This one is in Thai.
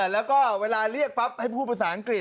แล้วก็เวลาเรียกปั๊บให้พูดภาษาอังกฤษ